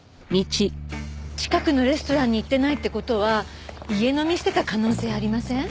近くのレストランに行ってないって事は家飲みしてた可能性ありません？